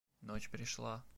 Ночь пришла.